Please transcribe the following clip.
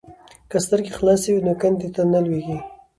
که سترګې خلاصې وي نو کندې ته نه لویږي.